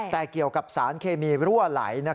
แต่เกี่ยวกับสารเคมีรั่วไหล